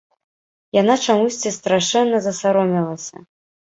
Яна чамусьці страшэнна засаромелася.